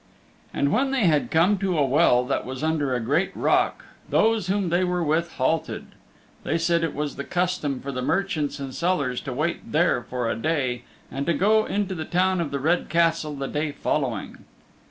And when they had come to a well that was under a great rock those whom they were with halted. They said it was the custom for the merchants and sellers to wait there for a day and to go into the Town of the Red Castle the day following.